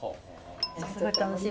すごい楽しみ。